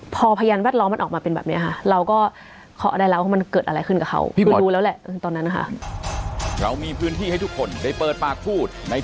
พอพยานแวดล้อมมันออกมาเป็นแบบนี้ค่ะเราก็เคาะได้แล้วว่ามันเกิดอะไรขึ้นกับเขา